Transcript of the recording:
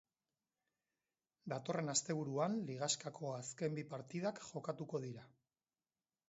Datorren asteburuan ligaxkako azken bi partidak jokatuko dira.